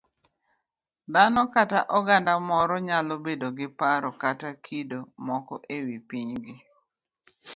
Dhano kata oganda moro nyalo bedo gi paro kata kido moko e wi pinygi.